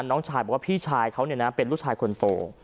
น้องชายบอกพี่ชายเขาเนี่ยนะเป็นลูกชายคนโต